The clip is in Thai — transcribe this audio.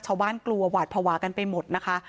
ชาวบ้านกลัวหวาดพวากันไปหมดนะคะ